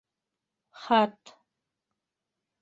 Хат.